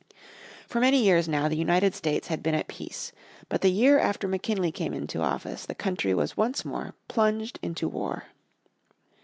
For many years now the United States had been at peace. But the year after McKinley came into office the country was once more plunged into war.